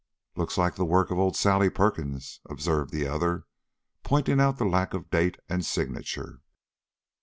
"Looks like the work of old Sally Perkins," observed the other, pointing out the lack of date and signature.